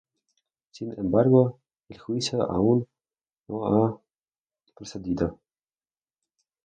Sin embargo, el juicio aún no ha procedido.